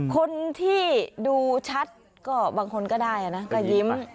คนที่ดูชัดก็บางคนก็ได้นะก็ยิ้ม